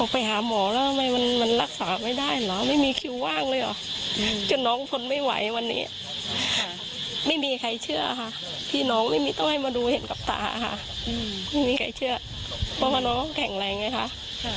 พี่น้องมันให้มาดูเห็นกับตาครับไม่มีใครเชื่อเพราะว่าน้องแข็งแรงเลยนะครับ